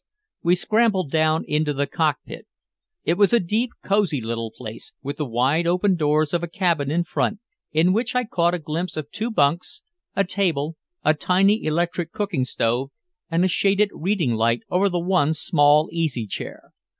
We scrambled down into the cock pit. It was a deep, cozy little place, with the wide open doors of a cabin in front, in which I caught a glimpse of two bunks, a table, a tiny electric cooking stove and a shaded reading light over the one small easy chair.